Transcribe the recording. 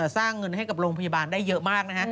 สร้างเงินให้กับโรงพยาบาลได้เยอะมากนะฮะ